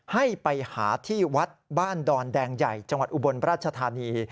ให้ไปหาที่วัดบ้านดอนแดงใหญ่จังหวัดอุบลราชธานี